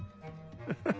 フフフッ。